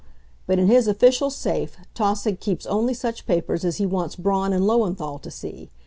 But in his official safe Tausig keeps only such papers as he wants Braun and Lowenthal to see.